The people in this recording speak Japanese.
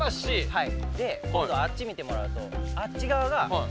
はい。